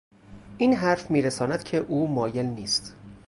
این حرف میرساند که او مایل نیست